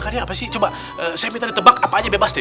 saya minta di tebak apa aja bebas deh